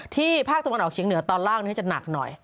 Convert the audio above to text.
ภาคตะวันออกเฉียงเหนือตอนล่างจะหนักหน่อย